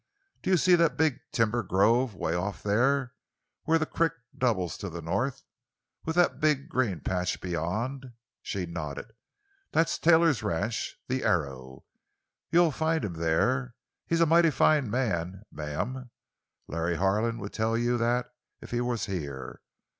"Do you see that big timber grove 'way off there—where the crick doubles to the north—with that big green patch beyond?" She nodded. "That's Taylor's ranch—the Arrow. You'll find him there. He's a mighty fine man, ma'am. Larry Harlan would tell you that if he was here.